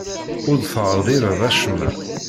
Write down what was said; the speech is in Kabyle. Ur d-terḍileḍ acemma.